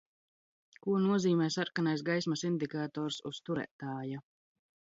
Ko nozīmē sarkanais gaismas indikators uz turētāja?